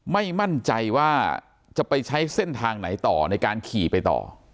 ไม่มั่นใจว่าจะไปใช้เส้นทางไหนต่อในการขี่ไปต่อ